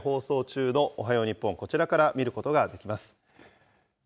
現在放送中のおはよう日本、こちらから見ることができます。